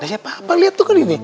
ya papa lihat tuh kan ini